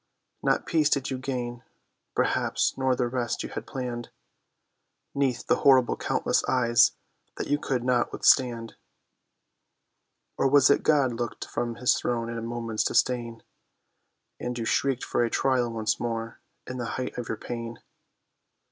Not peace did you gain, perhaps, nor the rest you had planned, 'Neath the horrible countless eyes that you could not withstand? Or was it God looked from his throne in a moment's disdain, And you shrieked for a trial once more in the height of your pain?